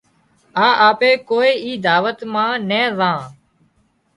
آ اپي ڪوئي اي دعوت مان نين زان